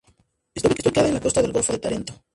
Está ubicada en la costa del golfo de Tarento.